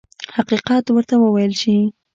حقیقت ورته وویل شي.